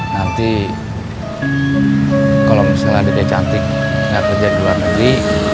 nanti kalo misalnya dede cantik gak kerja di luar negeri